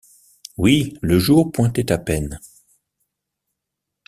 Oui, le jour pointait à peine...